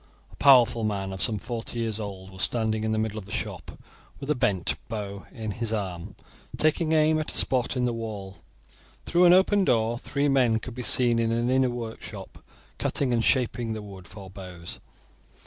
A powerful man of some forty years old was standing in the middle of the shop with a bent bow in his arm, taking aim at a spot in the wall. Through an open door three men could be seen in an inner workshop cutting and shaping the wood for bows.